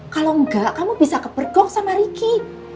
kalau enggak kamu bisa kepergok sama ricky